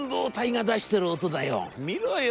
見ろよ。